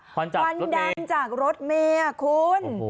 ควันดำจากรถเมย์คุณ